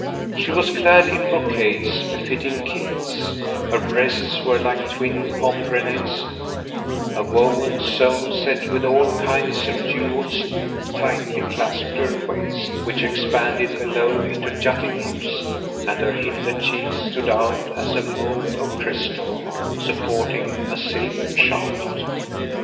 She was clad in brocades befitting Kings; her breasts were like twin pomegranates, a woven zone set with all kinds of jewels tightly clasped her waist which expanded below into jutting hips; and her hinder cheeks stood out as a mound of crystal[FN#185] supporting a silvern shaft.